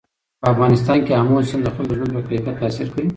په افغانستان کې آمو سیند د خلکو د ژوند په کیفیت تاثیر کوي.